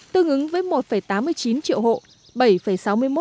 tương ứng với một tám mươi chín triệu hộ